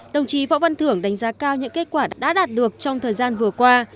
đồng chí võ văn thưởng đánh giá cao những kết quả đã đạt được trong thời gian vừa qua